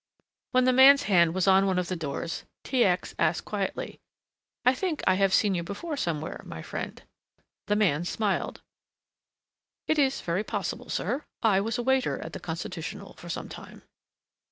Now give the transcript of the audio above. When the man's hand was on one of the doors, T. X. asked quietly, "I think I have seen you before somewhere, my friend." The man smiled. "It is very possible, sir. I was a waiter at the Constitutional for some time."